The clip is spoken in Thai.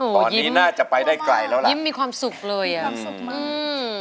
ตอนนี้น่าจะไปได้ไกลแล้วล่ะยิ้มมีความสุขเลยอ่ะความสุขมาก